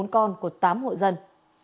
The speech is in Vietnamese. bốn mươi bốn con của tám hộ dân